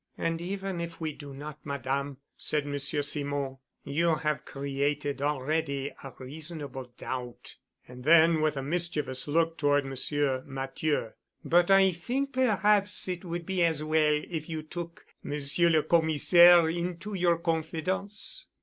"And even if we do not, Madame," said Monsieur Simon, "you have created already a reasonable doubt." And then, with a mischievous look toward Monsieur Matthieu, "But I think perhaps it would be as well if you took Monsieur le Commissaire into your confidence."